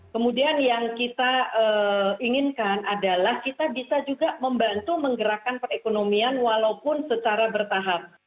kemudian yang kita inginkan adalah kita bisa juga membantu menggerakkan perekonomian walaupun secara bertahap